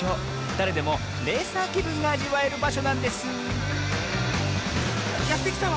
だれでもレーサーきぶんがあじわえるばしょなんですやってきたわ！